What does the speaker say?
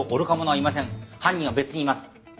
犯人は別にいます。